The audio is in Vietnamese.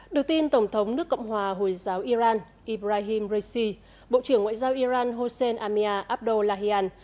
được tin tổng thống nước cộng hòa hồi giáo iran ibrahim raisi bộ trưởng ngoại giao iran hossein amia abdullahian